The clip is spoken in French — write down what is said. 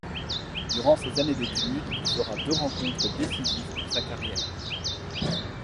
Durant ses années études, il fera deux rencontres décisives pour sa carrière.